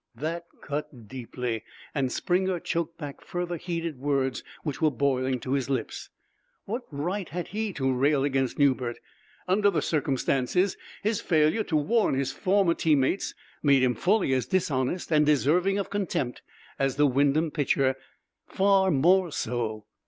That cut deeply, and Springer choked back further heated words which were boiling to his lips. What right had he to rail against Newbert? Under the circumstances, his failure to warn his former teammates made him fully as dishonest and deserving of contempt as the Wyndham pitcher far more so.